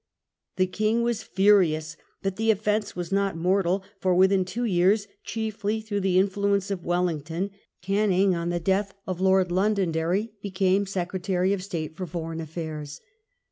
The King was furious, but the offence was not mortal, for within two years, chiefly through the influence of Wellington, Canning, on the death of Lord Londonderry, became Secretary of State for Foreign Affairs.